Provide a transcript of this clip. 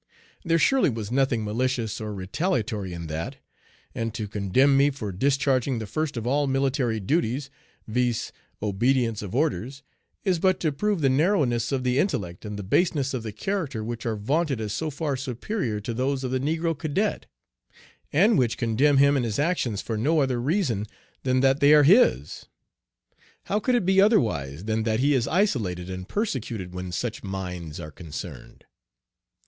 There surely was nothing malicious or retaliatory in that; and to condemn me for discharging the first of all military duties viz., obedience of orders is but to prove the narrowness of the intellect and the baseness of the character which are vaunted as so far superior to those of the "negro cadet," and which condemn him and his actions for no other reason than that they are his. How could it be otherwise than that he be isolated and persecuted when such minds are concerned?